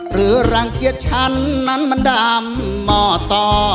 รังเกียจฉันนั้นมันดำหม่อต่อ